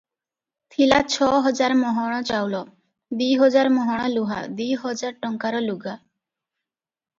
ଥିଲା ଛ ହଜାର ମହଣ ଚାଉଳ, ଦି ହଜାର ମହଣ ଲୁହା, ଦି ହଜାର ଟଙ୍କାର ଲୁଗା ।